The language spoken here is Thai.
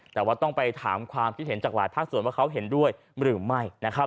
แต่ว่าต้องไปถามความคิดเห็นจากหลายภาคส่วนว่าเขาเห็นด้วยหรือไม่นะครับ